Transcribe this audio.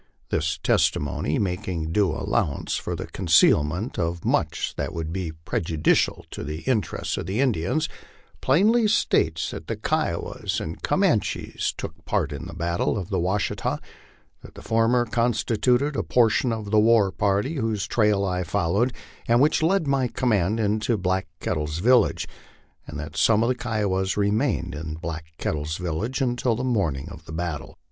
This testimony, making due allowance for the concealment of much that would be prejudicial to the interests of the Indians, plainly states that the Kiowas and Comanches took part in the battle of the Washita: that the former constituted a portion of the war party whose trail I followed, and which led my command into Black Kettle's village : and that some of the Kiowas remained in Black Kettle's vil lage until the morning of the battle.